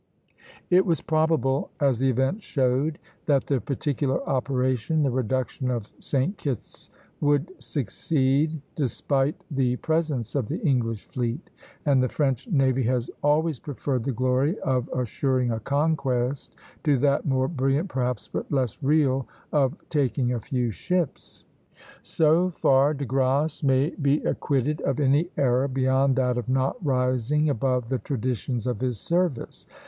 It was probable, as the event showed, that the particular operation, the reduction of St. Kitt's, would succeed despite the presence of the English fleet; and "the French navy has always preferred the glory of assuring a conquest to that, more brilliant perhaps but less real, of taking a few ships." So far De Grasse may be acquitted of any error beyond that of not rising above the traditions of his service.